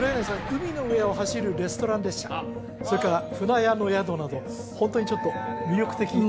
海の上を走るレストラン列車それから舟屋の宿などホントにちょっと魅力的ですね